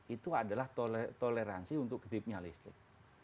itu adalah toleransi untuk hidupnya listrik